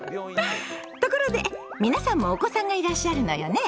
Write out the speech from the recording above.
ところで皆さんもお子さんがいらっしゃるのよね。